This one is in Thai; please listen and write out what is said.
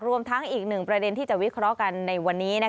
รวมทั้งอีกหนึ่งประเด็นที่จะวิเคราะห์กันในวันนี้